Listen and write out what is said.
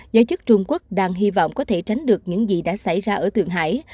giới chức trung quốc đang hy vọng có thể tránh được những gì đã xảy ra ở thượng hải